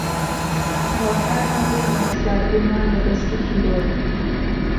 کە هاوکارمان بوون لە رزگاربوونمان لە دەستی تیرۆر